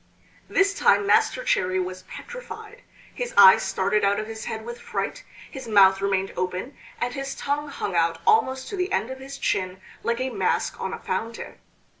This time Master Cherry was petrified. His eyes started out of his head with fright, his mouth remained open, and his tongue hung out almost to the end of his chin like a mask on a fountain.